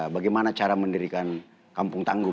bagaimana cara mendirikan kampung tangguh